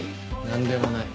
何でもない。